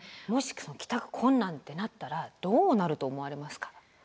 もしその帰宅困難ってなったらどうなると思われますか？